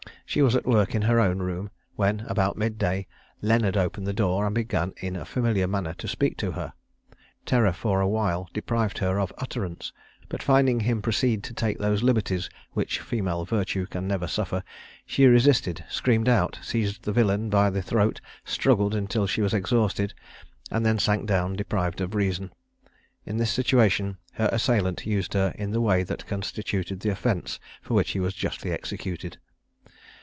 She was at work in her own room, when, about mid day, Leonard opened the door, and began in a familiar manner to speak to her. Terror for a while deprived her of utterance; but finding him proceed to take those liberties which female virtue can never suffer, she resisted, screamed out, seized the villain by the throat, struggled until she was exhausted, and then sank down, deprived of reason. In this situation her assailant used her in the way that constituted the offence for which he was justly executed.